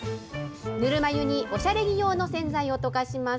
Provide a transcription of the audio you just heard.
ぬるま湯におしゃれ着用の洗剤を溶かします。